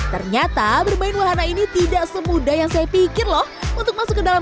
ternyata bermain wahana ini tidak semudah yang saya pikir loh untuk masuk ke dalam